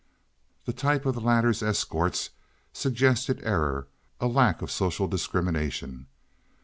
The type of the latter's escorts suggested error—a lack of social discrimination.